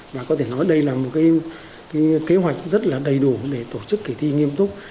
và có thể nói đây là một kế hoạch rất là đầy đủ để tổ chức kỳ thi nghiêm túc